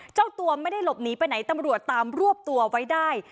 เจ้าตัวไม่ได้หลบหนีไปไหนตำรวจตามรวบตัวไว้ได้